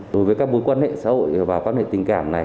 đối với các mối quan hệ xã hội và quan hệ tình cảm này